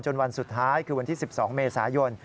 วันสุดท้ายคือวันที่๑๒เมษายน